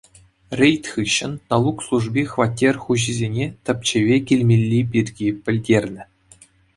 Рейд хыҫҫӑн налук служби хваттер хуҫисене тӗпчеве килмелли пирки пӗлтернӗ.